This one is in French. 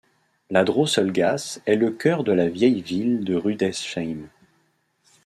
La Drosselgasse est le cœur de la vieille ville de Rüdesheim.